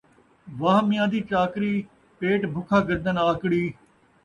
واہ میاں دی چاکری ، پیٹ بکھا گردن آکڑی